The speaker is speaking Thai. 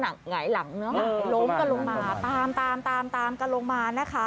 ลักษณะหายหลังเนอะล้มก็ลงมาตามก็ลงมานะคะ